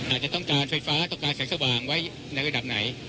อาจจะต้องการไฟฟ้าต้องการแสงสว่างไว้ในระดับไหน